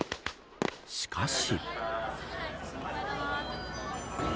しかし。